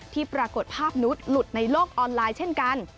ปรากฏภาพนุษย์หลุดในโลกออนไลน์เช่นกัน